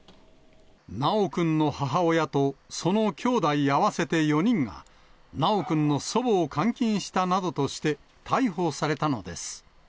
修くんの母親とそのきょうだい合わせて４人が、修くんの祖母を監禁したなどとして、逮捕されたのです。